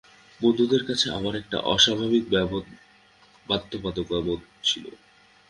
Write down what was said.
বন্ধুদের কাছে আমার একটা অস্বাভাবিক বাধ্যবাধকতা-বোধ ছিল।